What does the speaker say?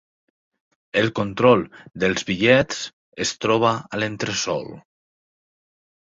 El control dels bitllets es troba al entresòl.